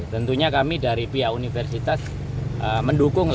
tentunya kami dari pihak universitas mendukung